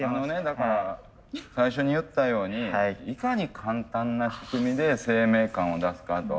だから最初に言ったようにいかに簡単な仕組みで生命感を出すかと。